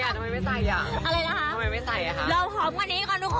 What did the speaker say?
ใช่ไหมทุกคน